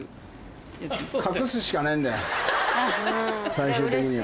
最終的には。